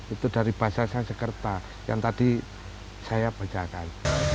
itu dari bahasa sansekerta yang tadi saya bacakan